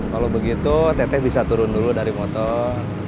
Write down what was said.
kalau begitu teteh bisa turun dulu dari motor